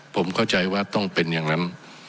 ผมเข้าใจว่าต้องเป็นอย่างนั้น